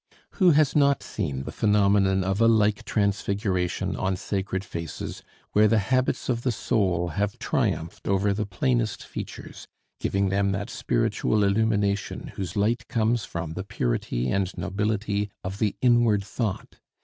Who has not seen the phenomenon of a like transfiguration on sacred faces where the habits of the soul have triumphed over the plainest features, giving them that spiritual illumination whose light comes from the purity and nobility of the inward thought?